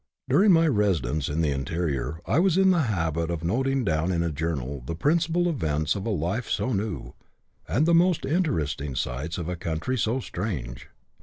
During my residence in the interior, I was in the habit of noting down in a journal the principal events of a life so new, and the most interesting sights of a country so strange.